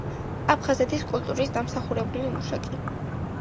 აფხაზეთის კულტურის დამსახურებული მუშაკი.